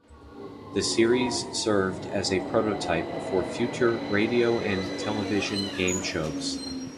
The series served as a prototype for future radio and television game shows.